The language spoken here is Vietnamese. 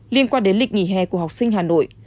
liên quan đến lịch nghỉ hè của học sinh hà nội